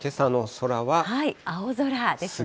青空ですね。